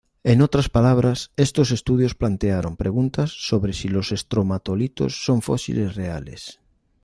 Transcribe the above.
En otras palabras, estos estudios plantearon preguntas sobre si los estromatolitos son fósiles reales.